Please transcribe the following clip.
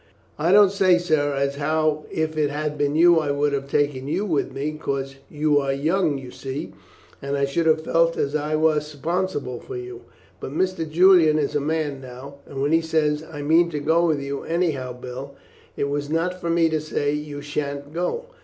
I don't say, sir, as how if it had been you I would have taken you with me, 'cause you are young, you see, and I should have felt as I was 'sponsible for you. But Mr. Julian is a man now, and when he says, 'I mean to go with you anyhow, Bill,' it was not for me to say, you sha'n't go.